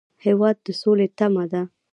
هېواد د سولې تمه ده.